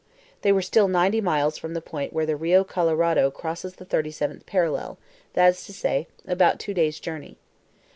They were still ninety miles from the point where the Rio Colorado crosses the thirty seventh parallel, that is to say, about two days' journey.